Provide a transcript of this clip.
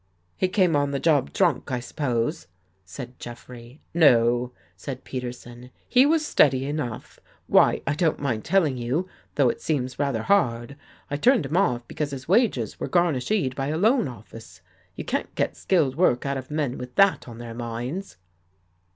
" He came on the job drunk, I suppose," said Jeff rey. " No," said Peterson, he was steady enough. Why, I don't mind telling you, though it seems rather hard, I turned him off because his wages were garnisheed by a Loan Office. You can't get skilled work out of men with that on their minds."